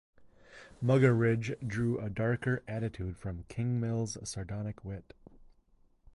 Muggeridge drew a darker attitude from Kingsmill's sardonic wit.